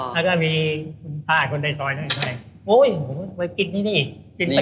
แล้วก็มีสัมภาษณ์คนใดซ้อยตั้งแต่